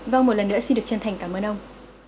vâng một lần nữa xin được chân thành cảm ơn ông